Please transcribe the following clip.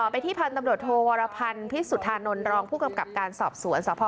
ไปที่พันธุ์ตำรวจโทวรพันธ์พิสุทธานนท์รองผู้กำกับการสอบสวน